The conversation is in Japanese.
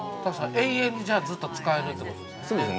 ◆永遠にずっと使えるということですね。